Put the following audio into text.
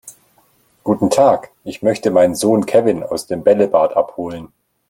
Guten Tag, ich möchte meinen Sohn Kevin aus dem Bällebad abholen.